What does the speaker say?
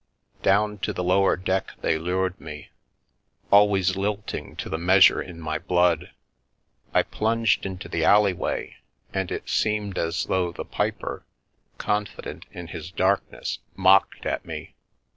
Down to the lower deck they lured me, always lilting to the measure in my blood. I plunged into the alley way, and it seemed as though the piper, confident in his darkness, mocked at me.